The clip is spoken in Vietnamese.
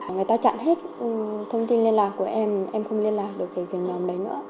người ta chặn hết thông tin liên lạc của em em không liên lạc được với cái nhóm đấy nữa